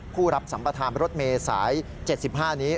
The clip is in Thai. คู่รับสัมประธานรถเมษฐ์สาย๗๕นี้